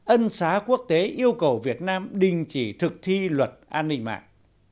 ân xá quốc tế yêu cầu việt nam đình chỉ thực thi luật an ninh mạng